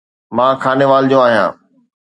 مان خانيوال جو آهيان